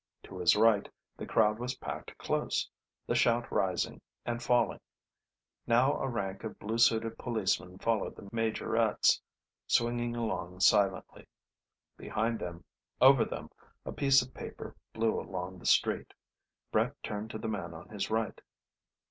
To his right the crowd was packed close, the shout rising and falling. Now a rank of blue suited policemen followed the majorettes, swinging along silently. Behind them, over them, a piece of paper blew along the street. Brett turned to the man on his right.